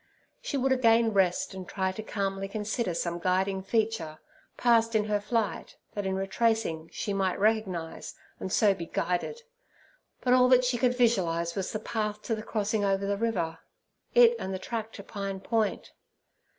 She would again rest and try to calmly consider some guiding feature, passed in her flight, that in retracing she might recognise, and so be guided; but all that she could visualize was the path to the crossing over the river—it and the track to Pine Point.